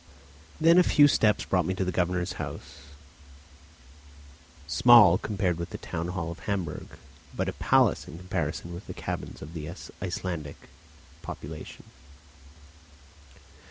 Then a few steps brought me to the Governor's house, a but compared with the town hall of Hamburg, a palace in comparison with the cabins of the Icelandic population.